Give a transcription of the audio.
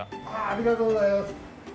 ありがとうございます。